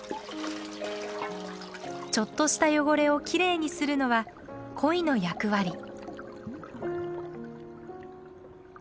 ちょっとした汚れをきれいにするのはコイの役割。